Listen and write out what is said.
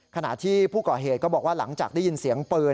ขณะที่ผู้ก่อเหตุก็บอกว่าหลังจากได้ยินเสียงปืน